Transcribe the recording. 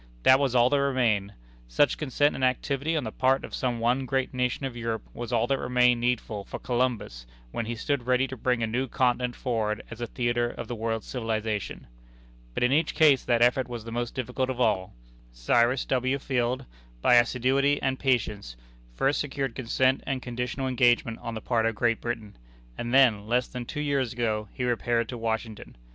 That was all that remained. Such consent and activity on the part of some one great nation of Europe was all that remained needful for Columbus when he stood ready to bring a new continent forward as a theatre of the world's civilization. But in each case that effort was the most difficult of all. Cyrus W. Field, by assiduity and patience, first secured consent and conditional engagement on the part of Great Britain, and then, less than two years ago, he repaired to Washington.